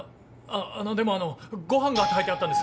でもあのご飯が炊いてあったんです。